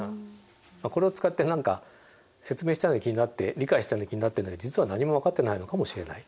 これを使って説明したような気になって理解したような気になってんだけど実は何も分かってないのかもしれない。